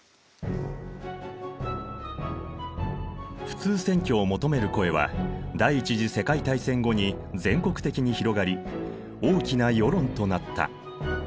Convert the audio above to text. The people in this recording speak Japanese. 普通選挙を求める声は第一次世界大戦後に全国的に広がり大きな世論となった。